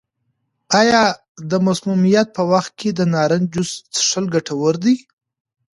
آیا د مسمومیت په وخت کې د نارنج جوس څښل ګټور دي؟